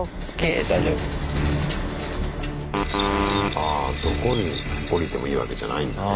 ああどこに降りてもいいわけじゃないんだね。